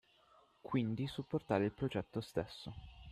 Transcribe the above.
Quindi supportare il progetto stesso.